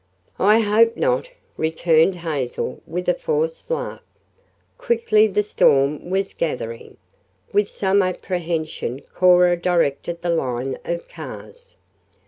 "I hope not," returned Hazel with a forced laugh. Quickly the storm was gathering. With some apprehension Cora directed the line of cars.